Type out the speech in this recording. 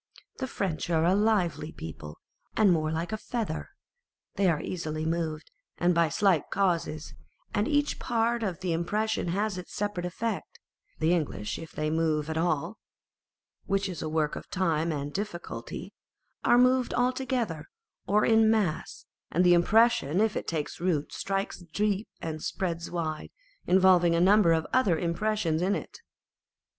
The French are a lively people, and more like a feather. They are easily moved and by slight causes, and each part of the impression has its separate effect : the English if they are moved at all (which is a work of time and difficulty), are moved altogether, or in mass, and the impression, if it takes root, strikes deep and spreads wide, involving a number of other impressions in it.